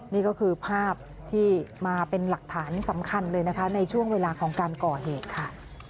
นี่ก็คือภาพที่มาเป็นหลักฐานสำคัญเลยนะคะในช่วงเวลาของการก่อเหตุค่ะ